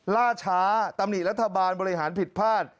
ล่าช้าตำหนิรัฐบาลบริหารผิดพลาด